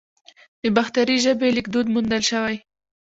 د باختري ژبې لیکدود موندل شوی